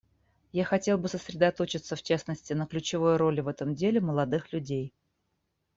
Я хотел бы сосредоточиться, в частности, на ключевой роли в этом деле молодых людей.